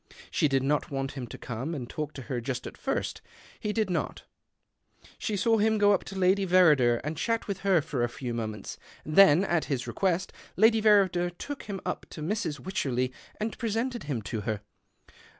She did not want him to !ome and talk to her just at first. He did lot. She saw him go up to Lady Verrider md chat with her for a few moments. Then, Lt his recjuest, Lady Verrider took him up to ^rs. Wycherley and presented him to her.